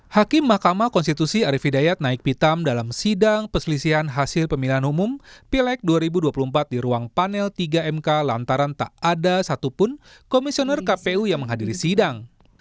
hakim mahkamah konstitusi arief hidayat naik pitam dalam sidang perselisihan hasil pemilihan umum pilek dua ribu dua puluh empat di ruang panel tiga mk lantaran tak ada satupun komisioner kpu yang menghadiri sidang